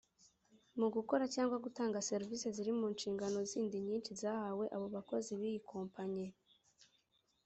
Mu gukora cyangwa gutanga serivise ziri mu nshingano zindi nyinshi zahawe aba bakozi biyi kompanyi.